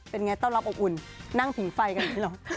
เป็นไงต้อนรับอบอุ่นนั่งผิงไฟกันดีกว่า